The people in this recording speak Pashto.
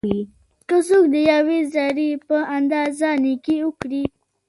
که څوک د یوې ذري په اندازه نيکي وکړي؛